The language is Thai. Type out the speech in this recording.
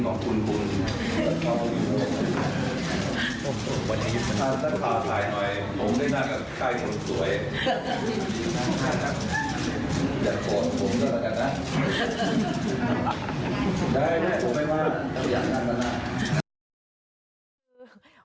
กางโกย